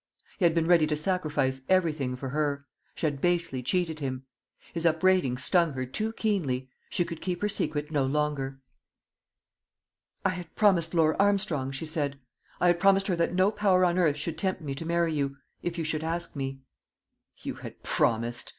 He had been ready to sacrifice everything for her. She had basely cheated him. His upbraiding stung her too keenly; she could keep her secret no longer. "I had promised Laura Armstrong," she said "I had promised her that no power on earth should tempt me to marry you if you should ask me." "You had promised!"